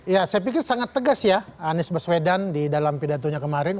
ya saya pikir sangat tegas ya anies baswedan di dalam pidatonya kemarin